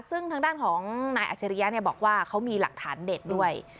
ซึ่งทางด้านของนายอัชริยะบอกว่าเขามีหลักฐานเด็ดด้วย